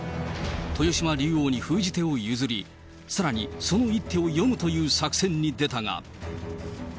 豊島竜王に封じ手を譲り、さらにその一手を読むという作戦に出たが。